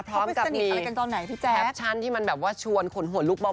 พร้อมกับมีแทปชั่นที่มันแบบว่าชวนขุนหัวลุกเบาค่ะ